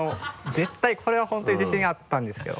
絶対これは本当に自信あったんですけど。